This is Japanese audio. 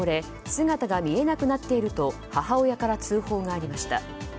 姿が見えなくなっていると母親から通報がありました。